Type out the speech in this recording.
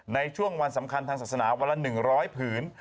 ในช่วงวันสำคัญทางศาสนาวันละ๑๐๐ผืน